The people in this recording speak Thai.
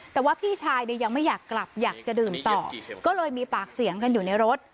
แต่ว่าพี่ชายเนี่ยยังไม่อยากกลับอยากจะดื่มต่อก็เลยมีปากเสียงกันอยู่ในรถ